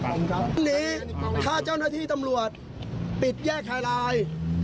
อันนี้ถ้าเจ้าหน้าที่ตำรวจปิดแยกไฮไลน์